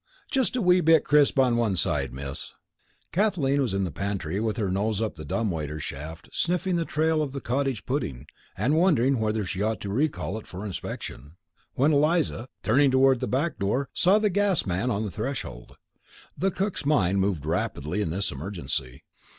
"Just a wee bit crisp on one side, miss." Kathleen was in the pantry, with her nose up the dumb waiter shaft, sniffing the trail of the cottage pudding and wondering whether she ought to recall it for inspection, when Eliza, turning toward the back door, saw the gas man on the threshold. The cook's mind moved rapidly in this emergency.